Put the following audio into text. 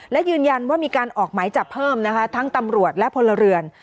และยืนยันว่ามีการออกหมายจับเพิ่มนะคะทั้งตำรวจและพลเรือน